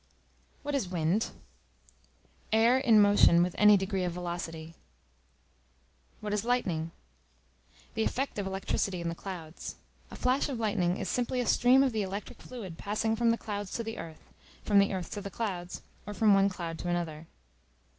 What is Wind? Air in motion with any degree of velocity. What is Lightning? The effect of electricity in the clouds. A flash of lightning is simply a stream of the electric fluid passing from the clouds to the earth, from the earth to the clouds, or from one cloud to another.